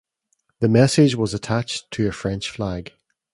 The message was attached to a French flag.